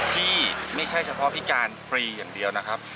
ที่ไม่ใช่เฉพาะพิการฟรีอย่างเดียวนะครับ